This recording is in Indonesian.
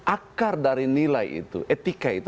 akar dari nilai itu etika itu